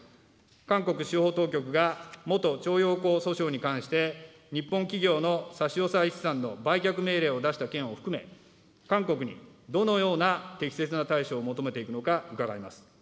韓国司法当局が元徴用工訴訟に関して日本企業の差し押さえ資産の売却命令を出した件を含め、韓国にどのような適切な対処を求めていくのか伺います。